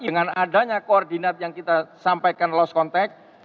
dengan adanya koordinat yang kita sampaikan lost contact